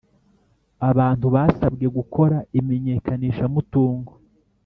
abantu basabwe gukora imenyekanishamutungo.